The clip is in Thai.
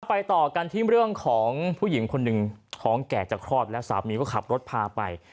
ไปต่อกันที่เรื่องของผู้หญิงคนหนึ่งท้องแก่จะคลอดแล้วสามีก็ขับรถพาไป